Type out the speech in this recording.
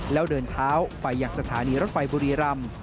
แล้วเดินเท้าไปอย่างสถานีรถไฟบุรีรำ